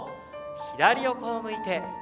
左横を向いて。